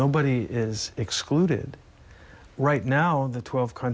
ที่มี๑๒ประเทศคิดว่าเราจะติดตามกัน